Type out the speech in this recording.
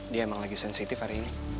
dia emang lagi sensitif hari ini